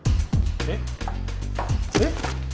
えっ？えっ？